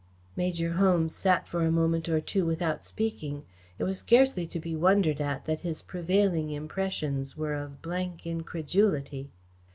Major Holmes sat for a moment or two without speaking. It was scarcely to be wondered at that his prevailing impressions were of blank incredulity.